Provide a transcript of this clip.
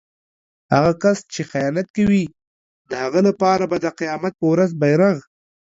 هغه کس چې خیانت کوي د هغه لپاره به د قيامت په ورځ بیرغ